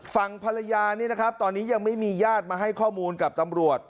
ฝั่งภรรยานี่นะครับตอนนี้ยังไม่มีญาติมาให้ข้อมูลกับตำรวจ